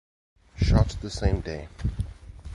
Shot the same day.